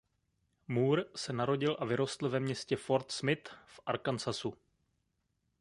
Moore se narodil a vyrostl ve městě Fort Smith v Arkansasu.